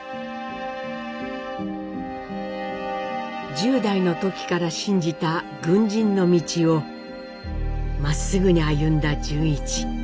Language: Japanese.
１０代の時から信じた軍人の道をまっすぐに歩んだ潤一。